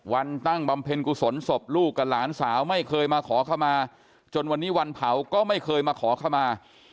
ตั้งบำเพ็ญกุศลศพลูกกับหลานสาวไม่เคยมาขอเข้ามาจนวันนี้วันเผาก็ไม่เคยมาขอเข้ามา